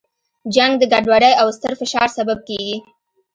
جنګ د ګډوډۍ او ستر فشار سبب کیږي.